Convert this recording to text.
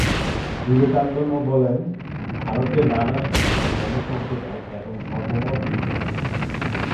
বিবেকানন্দ বলেন, ভারতে নানা ধর্মসম্প্রদায় এবং ধর্মমত বিদ্যমান।